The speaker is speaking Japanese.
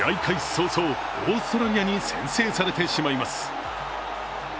早々オーストラリアに先制されてしまいます。